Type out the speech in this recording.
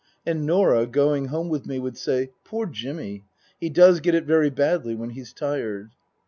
And Norah, going home with me, would say, " Poor Jimmy he does get it very badly when he's tired."